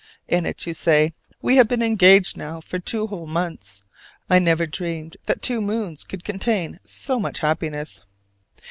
In it you say, "We have been engaged now for two whole months; I never dreamed that two moons could contain so much happiness."